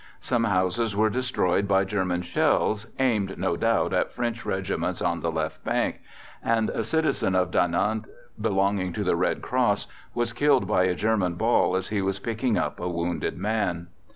Some houses were destroyed by German shells, aimed no doubt at French regiments on the left bank, and a citizen of Dinant belonging to the Red Cross was killed by a German ball as he was picking up a wounded man.